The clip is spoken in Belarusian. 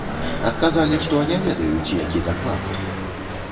Адказалі, што не ведаюць, які дакладна.